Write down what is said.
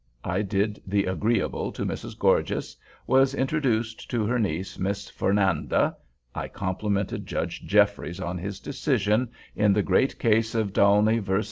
I did the agreeable to Mrs. Gorges, was introduced to her niece. Miss Fernanda—I complimented Judge Jeffries on his decision in the great case of D'Aulnay _vs.